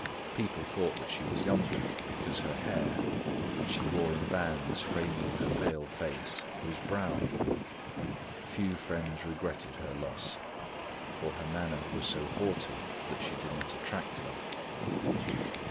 People thought that she was younger, because her hair, which she wore in bands framing her pale face, was brown. Few friends regretted her loss, for her manner was so haughty that she did not attract them.